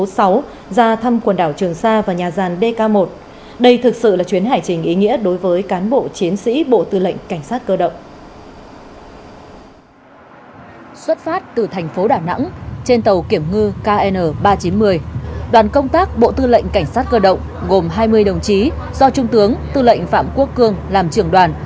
xuất phát từ thành phố đà nẵng trên tàu kiểm ngư kn ba trăm chín mươi đoàn công tác bộ tư lệnh cảnh sát cơ động gồm hai mươi đồng chí do trung tướng tư lệnh phạm quốc cương làm trưởng đoàn